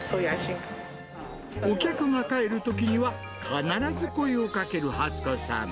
お客が帰るときには、必ず声をかける初子さん。